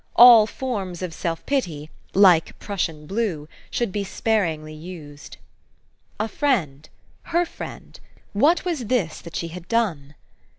All forms of self pity, like Prussian blue, should be sparingly used. 106 THE STORY OF AVIS. A friend? Her friend? What was this that she had done?